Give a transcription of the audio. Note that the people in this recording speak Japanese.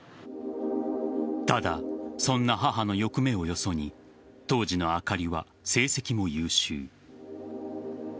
ただ、そんな母の欲目をよそに当時のあかりは成績も優秀。